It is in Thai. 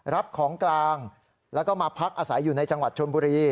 รับของกลางแล้วก็มาพักอาศัยอยู่ในจังหวัดชนบุรี